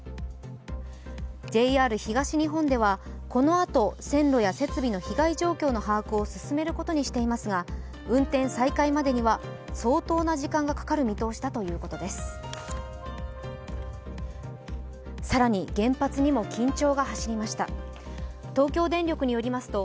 ＪＲ東日本ではこのあと線路や設備の被害状況の把握を進めることにしていますが運転再開までには相当な時間がかかる見通しだということです。